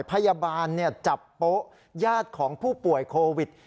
พยาบาลจับโป๊ะญาติของผู้ป่วยโควิด